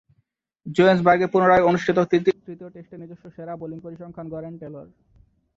জোহেন্সবার্গে পুনরায় অনুষ্ঠিত তৃতীয় টেস্টে নিজস্ব সেরা বোলিং পরিসংখ্যান গড়েন টেলর।